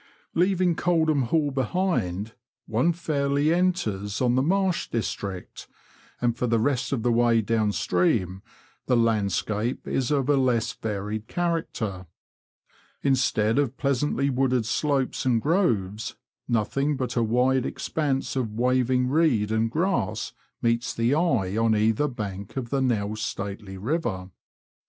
Leaving Coldham Hall behind, one fairly enters on the marsh district, and for the rest of the way down stream the landscape is of a less varied character. Instead of pleasantly wooded slopes and groves, nothing but a wide expanse of waving reed and grass meets the eye on either bank of the now stately river.